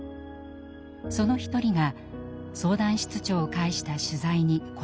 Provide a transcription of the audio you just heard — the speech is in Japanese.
その一人が相談室長を介した取材に応えてくれました。